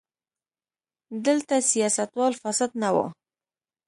دلته سیاستوال فاسد نه وو.